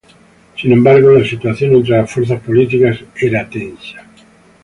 Sin embargo, la situación entre las fuerzas políticas era tensa.